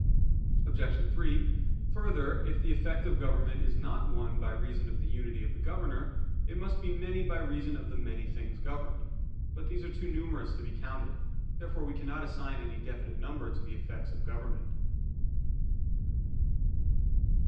Obj. 3: Further, if the effect of government is not one by reason of the unity of the Governor, it must be many by reason of the many things governed. But these are too numerous to be counted. Therefore we cannot assign any definite number to the effects of government.